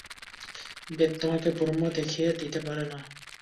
বেদ তোমাকে ব্রহ্ম দেখিয়ে দিতে পারে না।